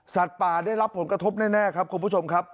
ป่าได้รับผลกระทบแน่ครับคุณผู้ชมครับ